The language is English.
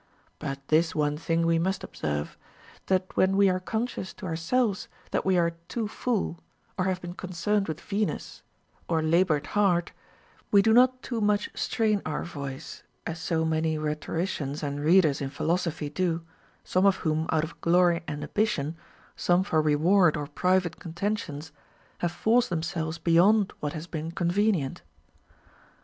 But this one thing we must observe, that Λvhen we are conscious to ourselves that we are too full, or have been concerned with Venus, or labored hard, we do not too much strain our voice, as so many rhetori cians and readers in philosophy do, some of whom out of glory and ambition, some for reward or private contentions, have forced themselves beyond what has been convenient.